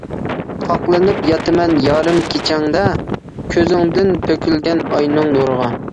قاقلىنىپ ياتىمەن يارىم كېچەڭدە، كۆزۈڭدىن تۆكۈلگەن ئاينىڭ نۇرىغا.